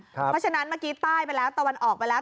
เพราะฉะนั้นเมื่อกี้ใต้ไปแล้วตะวันออกไปแล้ว